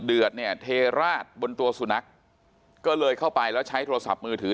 เดือดเนี่ยเทราดบนตัวสุนัขก็เลยเข้าไปแล้วใช้โทรศัพท์มือถือ